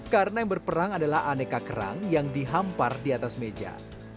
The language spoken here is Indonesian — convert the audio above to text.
karena yang berperang adalah aneka kerang yang dihampar di atas meja